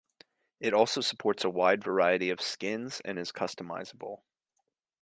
It also supports a wide variety of skins and is customizable.